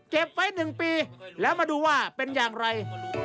เก็บไว้๑ปีแล้วมาดูว่าเป็นอย่างไร